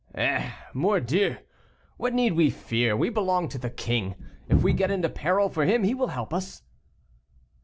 "Eh! Mordieu, what need we fear; we belong to the king. If we get into peril for him he will help us."